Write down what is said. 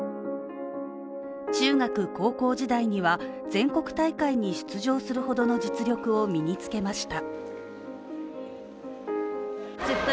中学、高校時代には全国大会に出場するほどの実力を身につけました。